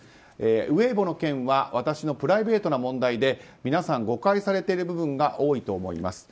ウェイボーの件は私のプライベートの問題で皆さん、誤解されている部分が多いと思います。